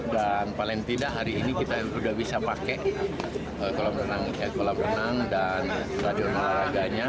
dan paling tidak hari ini kita sudah bisa pakai kolam renang dan stadion malah agaknya